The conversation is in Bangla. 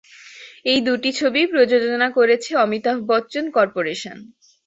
এই দুটি ছবিই প্রযোজনা করেছে অমিতাভ বচ্চন কর্পোরেশন।